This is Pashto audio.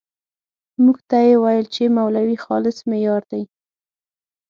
موږ ته یې ويل چې مولوي خالص مې يار دی.